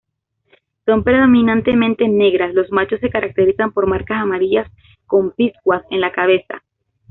Son predominantemente negras, los machos se caracterizan por marcas amarillas conspicuas en la cabeza.